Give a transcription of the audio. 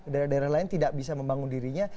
daerah daerah lain tidak bisa membangun dirinya